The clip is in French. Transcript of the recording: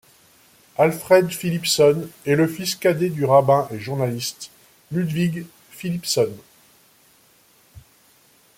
Alfred Philippson est le fils cadet du rabbin et journaliste Ludwig Philippson.